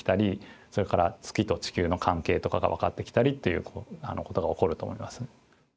それから月と地球の関係とかが分かってきたりということが起こると思います。